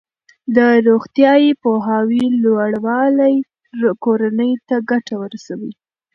د روغتیايي پوهاوي لوړوالی کورنۍ ته ګټه رسوي.